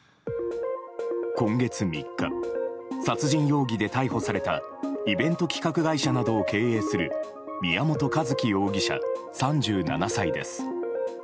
今月３日、殺人容疑で逮捕されたイベント企画会社などを経営する宮本一希容疑者、３７歳です。